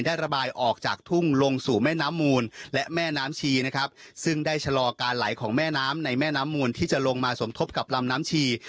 ระบายออกจากทุ่งลงสู่แม่น้ำมูลและแม่น้ำชีนะครับซึ่งได้ชะลอการไหลของแม่น้ำในแม่น้ำมูลที่จะลงมาสมทบกับลำน้ำชี